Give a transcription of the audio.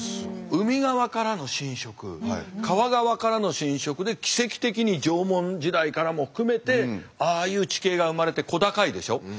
海側からの浸食川側からの浸食で奇跡的に縄文時代からも含めてああいう地形が生まれて小高いでしょ。